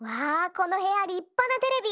このへやりっぱなテレビ。